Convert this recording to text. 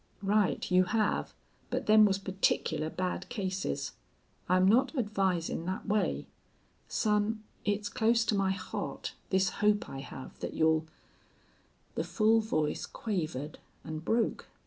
"Right, you have. But them was particular bad cases. I'm not advisin' thet way.... Son, it's close to my heart this hope I have thet you'll " The full voice quavered and broke.